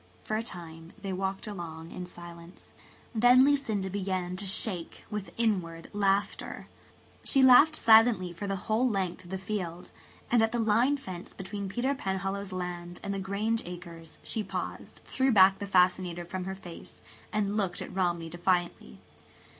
For a time they walked along in silence. Then Lucinda began to shake with inward laughter. She laughed silently for the whole length of the field; and at the line fence between Peter Penhallow's land and the Grange acres she paused, threw back the fascinator from her face, and looked at Romney defiantly.